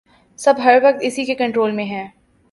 سب ہر وقت اسی کے کنٹرول میں ہیں